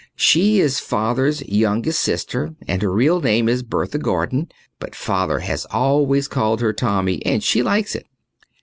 She is Father's youngest sister and her real name is Bertha Gordon, but Father has always called her Tommy and she likes it.